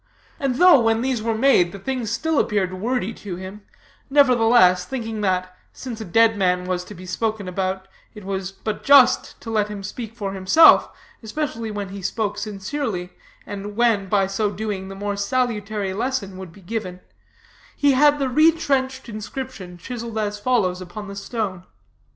And though, when these were made, the thing still appeared wordy to him, nevertheless, thinking that, since a dead man was to be spoken about, it was but just to let him speak for himself, especially when he spoke sincerely, and when, by so doing, the more salutary lesson would be given, he had the retrenched inscription chiseled as follows upon the stone.